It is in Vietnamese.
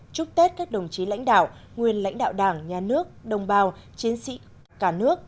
chúc tết các đồng chí lãnh đạo nguyên lãnh đạo đảng nhà nước đồng bào chiến sĩ cả nước